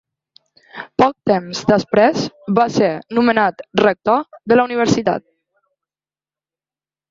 Poc temps després va ser nomenat rector de la universitat.